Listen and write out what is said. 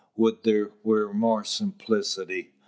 would there were more simplicity!"